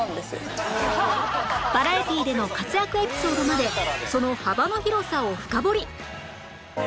バラエティーでの活躍エピソードまでその幅の広さを深掘り